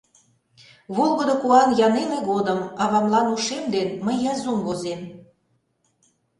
Волгыдо куан я неле годым Авамлан ушем ден мый язум возем.